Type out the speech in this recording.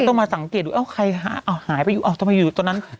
ต้องมาสังเกตดูเอ้าใครหายไปอยู่ต้องไปอยู่ตรงนั้น